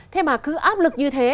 thế mà cứ áp lực như thế